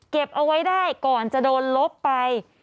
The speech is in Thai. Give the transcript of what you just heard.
เอาไว้ได้ก่อนจะโดนลบไป